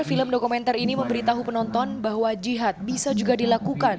film dokumenter ini memberitahu penonton bahwa jihad bisa juga dilakukan